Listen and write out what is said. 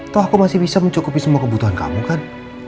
toh aku masih bisa mencukupi semua kebutuhan kamu kan